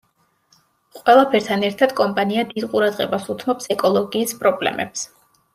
ყველაფერთან ერთად კომპანია დიდ ყურადღებას უთმობს ეკოლოგიის პრობლემებს.